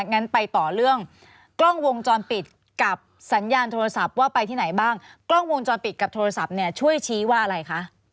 งั้นไปต่อเรื่องกล้องวงจรปิดกับสัญญาณโทรศัพท์ว่าไปที่ไหนบ้างกล้องวงจรปิดกับโทรศัพท์เนี่ยช่วยชี้ว่าอะไรคะ